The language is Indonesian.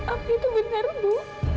apa itu benar bu